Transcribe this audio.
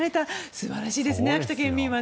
素晴らしいですね、秋田県民は。